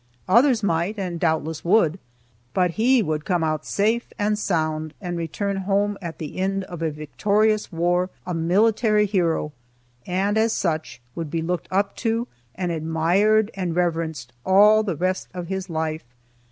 Others might, and doubtless would, but he would come out safe and sound, and return home at the end of a victorious war, a military hero, and as such would be looked up to, and admired and reverenced, all the rest of his life.